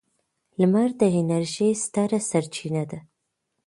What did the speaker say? لمر د انرژۍ ستره سرچینه ده.